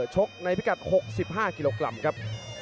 ชกในพิกัด๖๕กิโลกรัมครับ